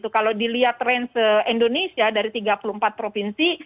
kalau dilihat range indonesia dari tiga puluh empat provinsi